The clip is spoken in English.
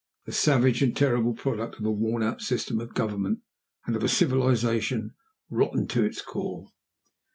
the savage and terrible product of a worn out system of government and of a civilization rotten to its core!